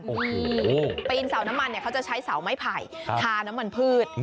คือปีนเสาน้ำมันเนี่ยเขาจะใช้เสาไม้ไผ่ทาน้ำมันพืช